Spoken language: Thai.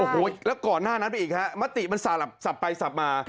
โอ้โหยแล้วก่อนหน้านั้นไปอีกฮะมัตติมันสาปไปสาปมา